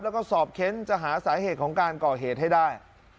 แล้วก็สอบเค้นจะหาสาเหตุของการก่อเหตุให้ได้